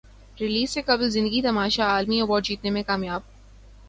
release سے قبل زندگی تماشا عالمی ایوارڈ جیتنے میں کامیاب